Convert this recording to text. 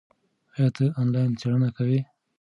ایا ته آنلاین څېړنه کوې؟